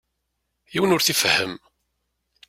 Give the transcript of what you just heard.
Yiwen ur t-ifehhem.